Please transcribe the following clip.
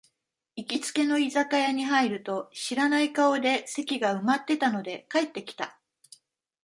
行きつけの居酒屋に入ると、知らない顔で席が埋まってたので帰ってきた